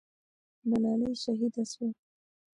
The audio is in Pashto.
ملالۍ شهیده سوه.